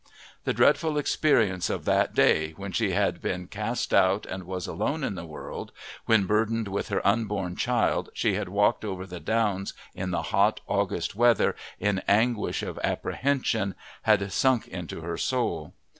The dreadful experience of that day, when she had been cast out and was alone in the world, when, burdened with her unborn child, she had walked over the downs in the hot August weather, in anguish of apprehension, had sunk into her soul.